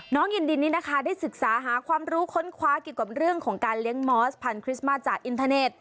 น้องอินดินนี้นะคะได้ศึกษาหาความรู้ค้นคว้าเกี่ยวกับเรื่องของการเลี้ยงมอสพันธ์คริสต์มาสจากอินเทอร์เน็ต